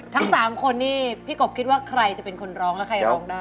ทั้ง๓คนนี่พี่กบคิดว่าใครจะเป็นคนร้องและใครร้องได้